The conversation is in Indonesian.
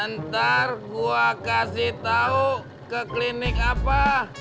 ntar gue kasih tahu ke klinik apa